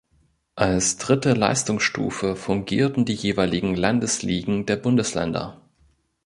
Als dritte Leistungsstufe fungierten die jeweiligen Landesligen der Bundesländer.